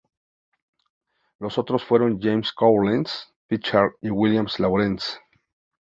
Los otros fueron James Cowles Prichard y William Lawrence.